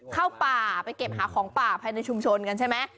เข้าป่าไปเก็บหาของป่าภายในชุมชนกันใช่ไหม